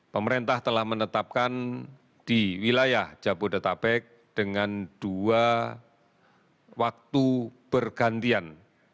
pemerintah telah menetapkan di wilayah jabodetabek dengan dua waktu bergantian